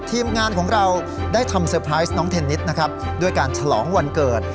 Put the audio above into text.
ทีมงานของเราได้ทำเซอร์ไพรส์น้องเทนนิสนะครับด้วยการฉลองวันเกิด